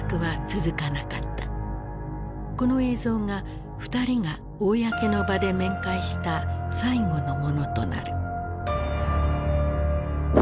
この映像が２人が公の場で面会した最後のものとなる。